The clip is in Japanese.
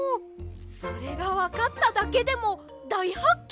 それがわかっただけでもだいはっけんですね！